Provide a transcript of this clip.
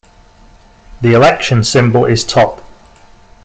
The election symbol is top.